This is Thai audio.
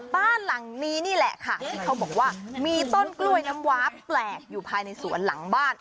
บ้านหลังนี้นี่แหละค่ะที่เขาบอกว่ามีต้นกล้วยน้ำว้าแปลกอยู่ภายในสวนหลังบ้าน